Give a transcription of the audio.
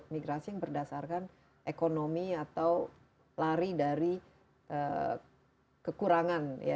migrasi yang berdasarkan ekonomi atau lari dari kekurangan ya